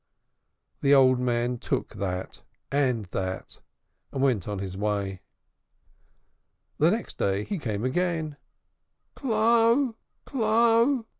The old man took that, and that, and went on his way. The next day he came again. "Clo'! Clo'!"